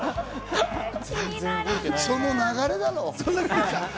その流れだろう。